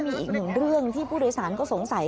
มีอีกหนึ่งเรื่องที่ผู้โดยสารก็สงสัย